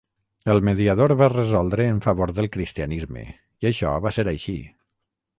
El mediador va resoldre en favor del cristianisme i això va ser així.